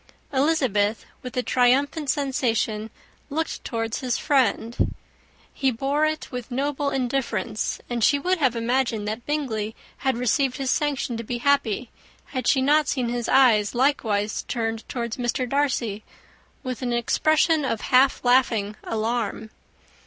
Elizabeth, with a triumphant sensation, looked towards his friend. He bore it with noble indifference; and she would have imagined that Bingley had received his sanction to be happy, had she not seen his eyes likewise turned towards Mr. Darcy, with an expression of half laughing alarm.